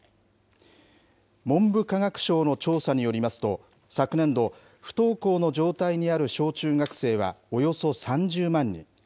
文部科学省の調査によりますと、昨年度、不登校の状態にある小中学生はおよそ３０万人。